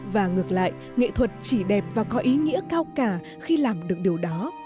và ngược lại nghệ thuật chỉ đẹp và có ý nghĩa cao cả khi làm được điều đó